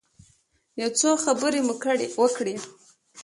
یو څه خبرې مو وکړې.